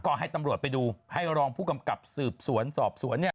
ก็ให้ตำรวจไปดูให้รองผู้กำกับสืบสวนสอบสวนเนี่ย